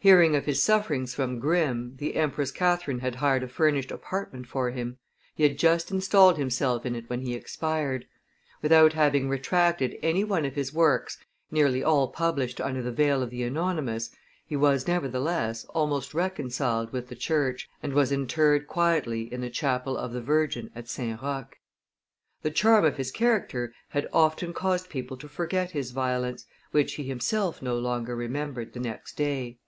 Hearing of his sufferings from Grimm, the Empress Catherine had hired a furnished apartment for him; he had just installed himself in it when he expired; without having retracted any one of his works, nearly all published under the veil of the anonymous, he was, nevertheless, almost reconciled with the church, and was interred quietly in the chapel of the Virgin at St. Roch. The charm of his character had often caused people to forget his violence, which he himself no longer remembered the next day.